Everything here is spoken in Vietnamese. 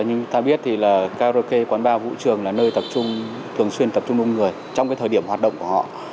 như ta biết thì là karaoke quán bar vũ trường là nơi thường xuyên tập trung đông người trong thời điểm hoạt động của họ